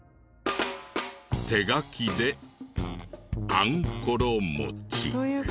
手書きで「あんころ餅」。